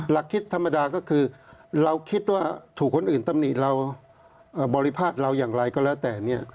หลักคิดธรรมดาก็คือเราคิดว่าถูกคนอื่นตมหนิบริภาคนรรยาอย่างไรก็แล้วแต่